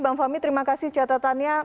bang fahmi terima kasih catatannya